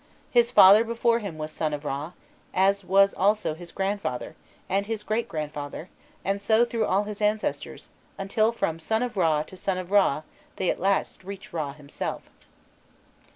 His father before him was "Son of Râ," as was also his grandfather, and his great grandfather, and so through all his ancestors, until from "son of Râ" to "son of Râ" they at last reached Râ himself.